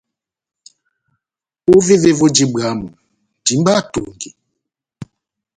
Ovévé voji bwámu, timbaha etungi.